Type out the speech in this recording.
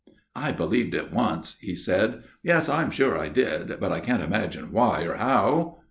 * I believed it once,' he said, * yes, I am sure I did, but I can't imagine why or how.'